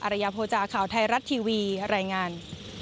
ระยะโภจาข่าวไทยรัฐทีวีรายงาน